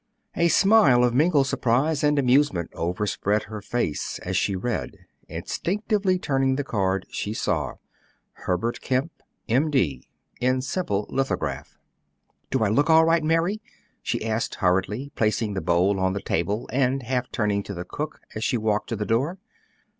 A smile of mingled surprise and amusement overspread her face as she read; instinctively turning the card, she saw, "Herbert Kemp, M. D.," in simple lithograph. "Do I look all right, Mary?" she asked hurriedly, placing the bowl on the table and half turning to the cook as she walked to the door.